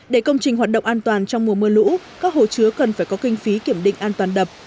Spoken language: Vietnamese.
để công trình hoạt động an toàn trong mùa mưa lũ các hồ chứa cần phải có kinh phí kiểm định an toàn đập